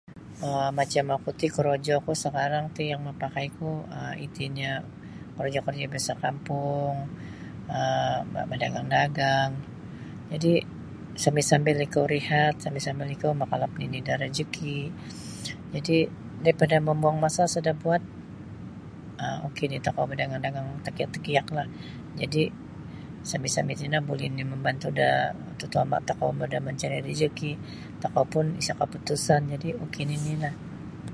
Macam oku ti korojo ku sakarang ti yang mapakai ku iti nio korojo-korojo biasa kampung um badagang-dagang jadi sambil-sambil ikau rehat ikau sambil-sambil makalap nini da rejiki jadi daripada mambuang masa sada buat um ok ni' tokou badagang-dagang takiak-takiaklah jadi sambil-sambil tino buli nini mambantu da tatuoma tokou mudah mancari rejiki tokou pun isa kaputusan mungkin inilah.